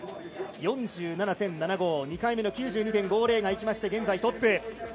４７．７５、２回目の９２．５０が生きまして、現在トップ。